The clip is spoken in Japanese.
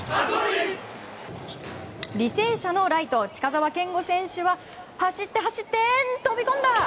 履正社のライト近澤賢虎選手は走って、走って飛び込んだ！